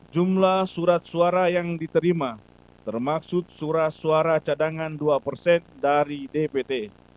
jumlah surat suara yang diterima termaksud surat suara cadangan dua persen dari dpt